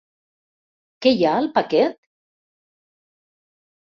Què hi ha al paquet?